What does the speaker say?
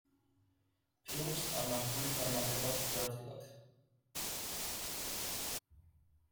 ფილმს არნახული წარმატება ხვდა წილად.